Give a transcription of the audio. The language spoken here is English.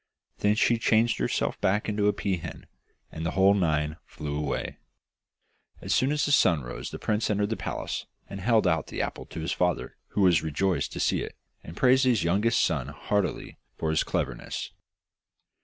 Then she changed herself back into a pea hen, and the whole nine flew away. As soon as the sun rose the prince entered the palace, and held out the apple to his father, who was rejoiced to see it, and praised his youngest son heartily for his cleverness.